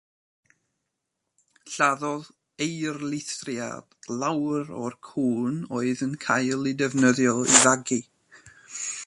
Lladdodd eirlithriad lawer o'r cŵn oedd yn cael eu defnyddio i fagu.